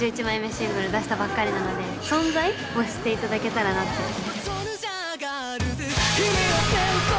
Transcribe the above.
１１枚目シングル出したばっかりなので存在を知っていただけたらなって。